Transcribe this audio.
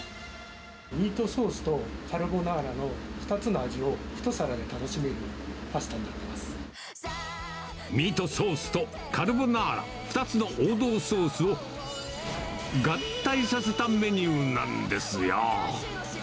ミートソースとカルボナーラの２つの味を一皿で楽しめるパスミートソースとカルボナーラ、２つの王道ソースを合体させたメニューなんですよ。